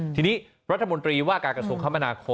ที่นี้รัฐมนตรีว่ากาศคมนาคมนั้นบอกว่า